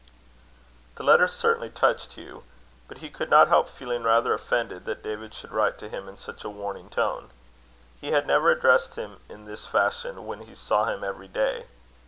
This letter certainly touched Hugh. But he could not help feeling rather offended that David should write to him in such a warning tone. He had never addressed him in this fashion when he saw him every day.